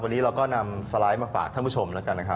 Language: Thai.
วันนี้เราก็นำสไลด์มาฝากท่านผู้ชม